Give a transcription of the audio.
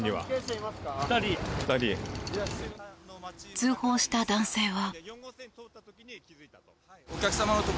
通報した男性は。